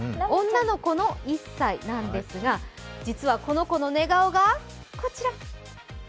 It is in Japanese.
女の子の１歳なんですが実はこの子の寝顔がこちら。